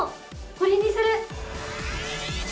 これにする！